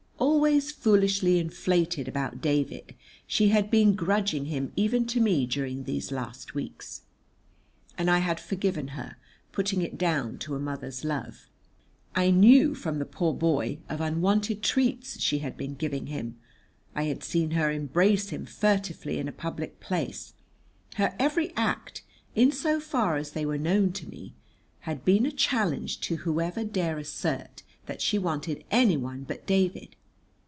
Always foolishly inflated about David, she had been grudging him even to me during these last weeks, and I had forgiven her, putting it down to a mother's love. I knew from the poor boy of unwonted treats she had been giving him; I had seen her embrace him furtively in a public place, her every act, in so far as they were known to me, had been a challenge to whoever dare assert that she wanted anyone but David.